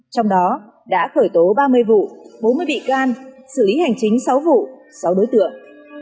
trong đó đã khởi tố ba mươi vụ bốn mươi bị can xử lý hành chính sáu vụ sáu đối tượng